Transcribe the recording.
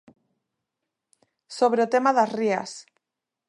Sobre o tema das rías.